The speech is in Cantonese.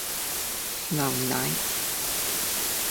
牛奶